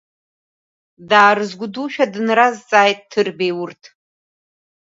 Даарызгәдушәа дынразҵааит Ҭырбеи урҭ.